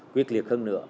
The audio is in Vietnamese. quyết liệt hơn nữa